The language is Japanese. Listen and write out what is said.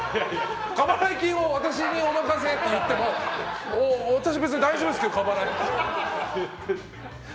過払金は私にお任せ！って言われても私、別に大丈夫ですけど過払い金。